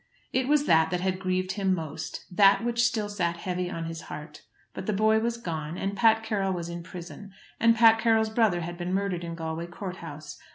It was that that had grieved him most, that which still sat heavy on his heart. But the boy was gone, and Pat Carroll was in prison, and Pat Carroll's brother had been murdered in Galway court house.